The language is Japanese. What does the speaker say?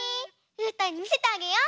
うーたんにみせてあげよう！